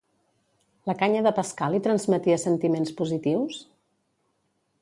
La canya de pescar li transmetia sentiments positius?